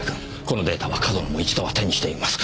このデータは上遠野も一度は手にしています。